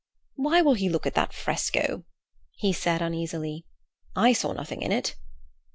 "Why will he look at that fresco?" he said uneasily. "I saw nothing in it."